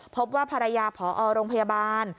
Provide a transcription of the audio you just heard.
พบว่าภรรยาผอโรงพยาบาล